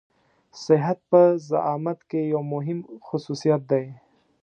صحت په زعامت کې يو مهم خصوصيت دی.